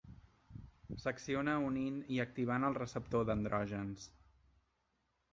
S'acciona unint i activant el receptor d'andrògens.